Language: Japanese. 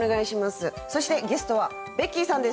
そしてゲストはベッキーさんです。